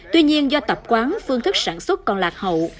tuy nhiên do tập quán phương thức sản xuất còn lạc hậu